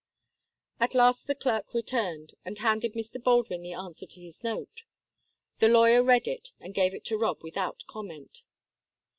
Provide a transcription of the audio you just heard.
At last the clerk returned, and handed Mr. Baldwin the answer to his note. The lawyer read it and gave it to Rob without comment.